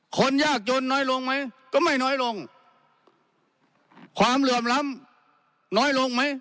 คนยากจนน้อยลงไหมก็ไม่น้อยลงความเหลื่อมล้ำน้อยลงไหม